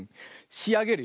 しあげるよ。